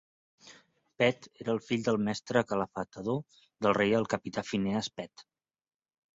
Pett era el fill del mestre calafatador del rei el capità Phineas Pett.